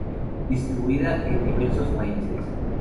Distribuida en diversos países.